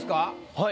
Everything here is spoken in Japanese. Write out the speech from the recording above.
はい。